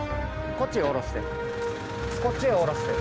こっちへ降ろして。